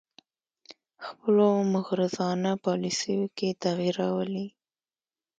خپلو مغرضانه پالیسیو کې تغیر راولي